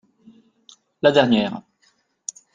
La dernière.